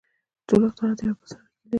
• ټول اختراعات له یو بل سره اړیکې لري.